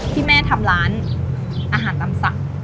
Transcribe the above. ที่แม่ทำร้านอาหารตำสั่ง